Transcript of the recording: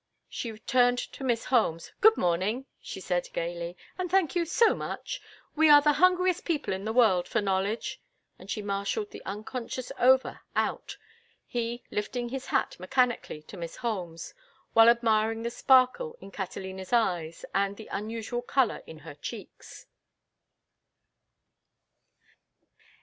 She turned to Miss Holmes. "Good morning," she said, gayly. "And thank you so much. We are the hungriest people in the world for knowledge." And she marshalled the unconscious Over out, he lifting his hat mechanically to Miss Holmes, while admiring the sparkle in Catalina's eyes and the unusual color in her cheeks.